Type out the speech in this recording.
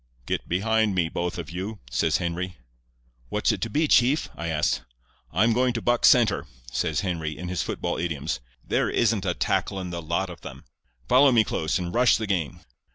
"'Get behind me, both of you,' says Henry. "'What's it to be, chief?' I asked. "'I'm going to buck centre,' says Henry, in his football idioms. 'There isn't a tackle in the lot of them. Follow me close, and rush the game.